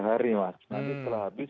nah itu telah habis